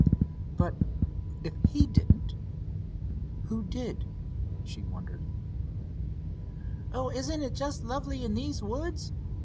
"But, if he didn't, who did?" she wondered. "Oh, isn't it just lovely in these woods!"